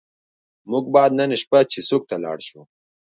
موږ باید نن شپه چیسوک ته لاړ شو.